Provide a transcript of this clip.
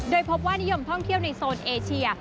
โดยพบว่านิยมท่องเที่ยวในโซนเอเชีย